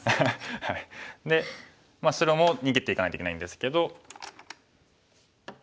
で白も逃げていかないといけないんですけど。